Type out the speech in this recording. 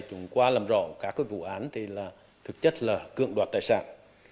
chúng qua làm rõ các vụ án thì là thực chất là cưỡng đoạt tài sản